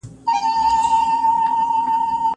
که استوګنځای تنګ وي نو انسان د یوازیتوب احساس کوي.